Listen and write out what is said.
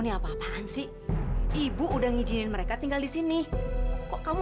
terima kasih ya ibu udah ngizinin saya dan mama tinggal di rumah ibu